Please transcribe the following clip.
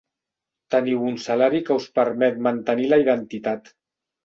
Teniu un salari que us permet mantenir la identitat.